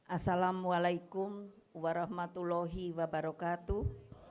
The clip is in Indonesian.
assalamu'alaikum warahmatullahi wabarakatuh